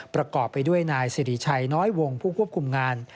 ประกอบไปด้วยนายสิริชัยน้อยวงผู้ควบคุมงาน